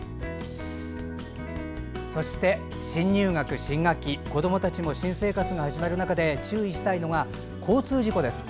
そして、新入学・新学期子どもたちも新生活が始まる中で注意したいのが交通事故です。